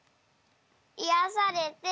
いやされて。